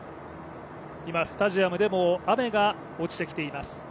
今、スタジアムでも雨が落ちてきています。